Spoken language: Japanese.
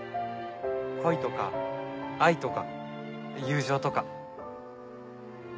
恋とか愛とか友情とか。